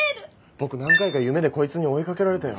僕何回か夢でこいつに追い掛けられたよ。